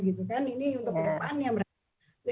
ini untuk kehidupan yang berakhir